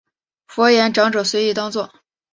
佛言长者随意当作。